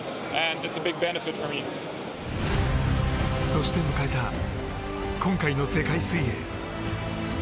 そして迎えた今回の世界水泳。